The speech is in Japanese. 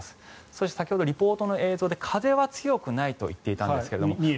そして、先ほどリポートの映像で風は強くないと言っていたんですが。